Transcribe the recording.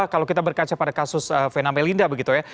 kalau kita berkaca pada kasus fenamelinda begitu ya